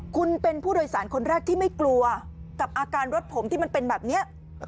คุณเป็นผู้โดยสารคนแรกที่ไม่กลัวกับอาการรถผมที่มันเป็นแบบนี้